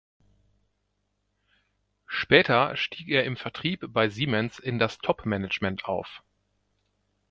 Später stieg er im Vertrieb bei Siemens in das Top Management auf.